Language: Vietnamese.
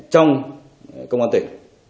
trong công an tỉnh